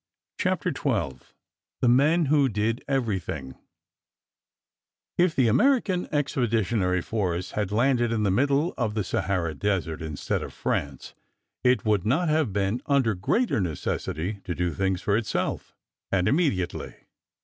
CHAPTER XII THE MEN WHO DID EVERYTHING If the American Expeditionary Force had landed in the middle of the Sahara Desert instead of France, it would not have been under greater necessity to do things for itself, and immediately.